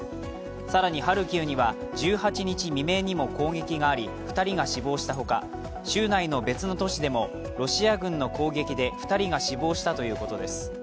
更にハルキウには１８日未明にも攻撃があり２人が死亡したほか、州内の別の都市でもロシア軍の攻撃で、２人が死亡したということです。